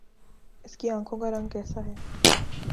اس کی آنکھوں کا رنگ کیسا ہے